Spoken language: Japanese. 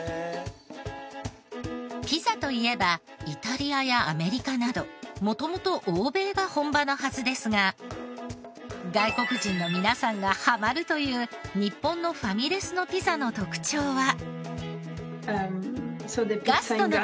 ピザといえばイタリアやアメリカなど元々欧米が本場のはずですが外国人の皆さんがハマるという日本のファミレスのピザの特徴は。